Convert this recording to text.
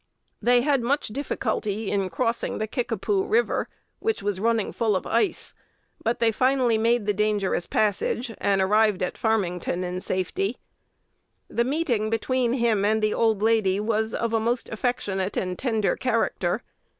They had much difficulty in crossing "the Kickapoo" River, which was running full of ice; but they finally made the dangerous passage, and arrived at Farmington in safety. The meeting between him and the old lady was of a most affectionate and tender character.